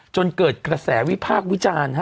จนเกิดกระแสวิพากษ์วิจารณ์